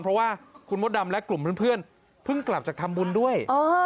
เพราะว่าคุณมดดำและกลุ่มเพื่อนเพิ่งกลับจากทำบุญด้วย